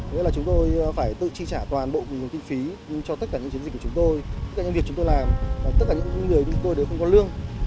nghĩa là chúng tôi phải tự chi trả toàn bộ nguồn kinh phí cho tất cả những chiến dịch của chúng tôi tất cả những việc chúng tôi làm tất cả những người chúng tôi đều không có lương